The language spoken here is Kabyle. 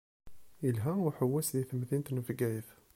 Ilha uḥewwes di temdint n Bgayet.